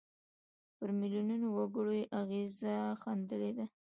پر میلیونونو وګړو یې اغېز ښندلی دی.